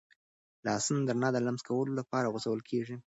لاسونه د رڼا د لمس کولو لپاره غځول کېږي.